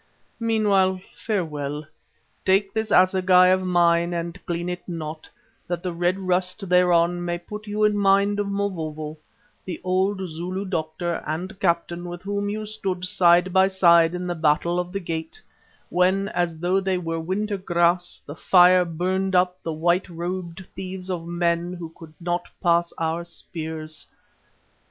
Meanwhile, farewell! Take this assegai of mine and clean it not, that the red rust thereon may put you in mind of Mavovo, the old Zulu doctor and captain with whom you stood side by side in the Battle of the Gate, when, as though they were winter grass, the fire burnt up the white robed thieves of men who could not pass our spears."